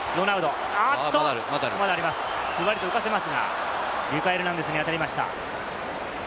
ふわりと浮かせますが、リュカ・エルナンデスに当たりました。